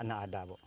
nggak nggak ada bu